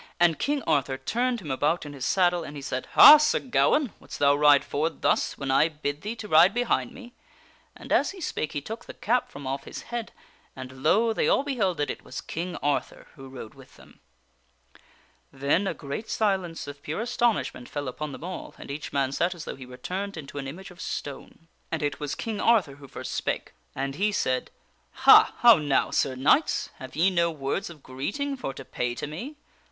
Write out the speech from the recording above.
And King Arthur turned him about in his saddle, and he said : "Ha! Sir Gawaine ! Wouldst thou ride forward thus when I bid thee to ride behind me?" And as he spake he took the cap from off his head, and, King Arthur ,., proclaimeth htm lo! they all beheld that it was King Arthur who rode with se if to the four them. ' Then a great silence of pure astonishment fell upon them all, and each man sat as though he were turned into an image of stone. And it was King Arthur who first spake. And he said :" Ha ! how now, Sir Knights ? Have ye no words of greeting for to pay to me?